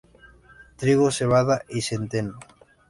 Trigo, cebada y centeno.